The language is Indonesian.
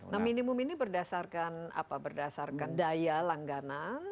nah minimum ini berdasarkan apa berdasarkan daya langganan